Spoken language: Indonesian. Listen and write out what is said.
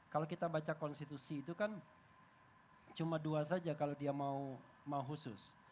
kalau kita baca konstitusi itu kan cuma dua saja kalau dia mau khusus